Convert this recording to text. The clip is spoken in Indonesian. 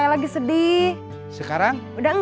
ya udah kita pulang dulu aja